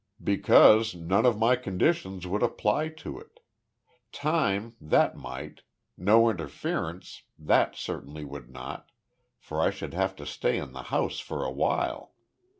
"Because none of my conditions would apply to it. Time that might no interference, that certainly would not, for I should have to stay in the house for a while.